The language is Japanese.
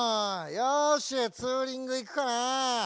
よしツーリングいくかな。